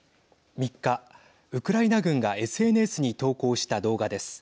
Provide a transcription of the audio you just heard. ３日、ウクライナ軍がＳＮＳに投稿した動画です。